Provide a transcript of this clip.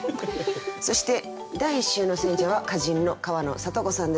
そして第１週の選者は歌人の川野里子さんです。